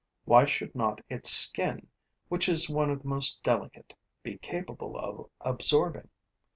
Why should not its skin, which is one of the most delicate, be capable of absorbing?